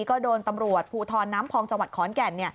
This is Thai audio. ก็โดนตำรวจภูทรน้ำพองจังหวัดขอนแก่น